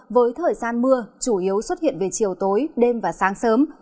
với thời gian mưa chủ yếu xuất hiện về chiều tối đêm và sáng sớm